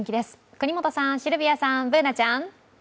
國本さん、シルビアさん、Ｂｏｏｎａちゃん。